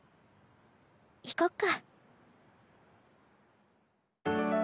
行こっか。